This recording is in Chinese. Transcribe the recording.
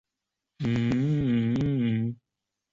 长叶黔蕨为鳞毛蕨科黔蕨属下的一个种。